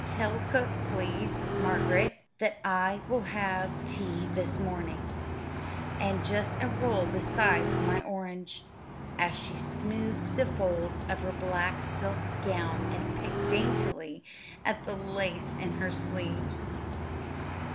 Tell cook, please, Margaret, that I will have tea this morning, and just a roll besides my orange." And she smoothed the folds of her black silk gown and picked daintily at the lace in her sleeves.